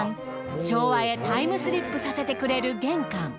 昭和へタイムスリップさせてくれる玄関。